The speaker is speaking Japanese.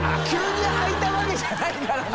泙はいたわけじゃないからね。